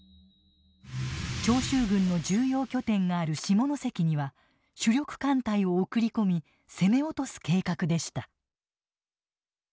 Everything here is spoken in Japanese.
長州軍の重要拠点がある下関には主力艦隊を送り込み攻め落とす計画でした。